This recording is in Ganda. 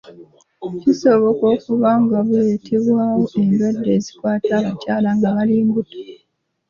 Kisobka okuba nga buleetebwawo endwadde ezikwata abakyala nga bali mbuto